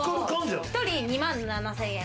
１人２万７０００円。